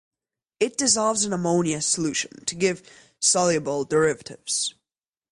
It dissolves in ammonia solution to give soluble derivatives.